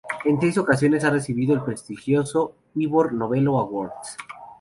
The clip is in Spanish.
En seis ocasiones ha recibido el prestigioso Ivor Novello Awards.